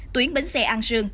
tuyến bến xe an sương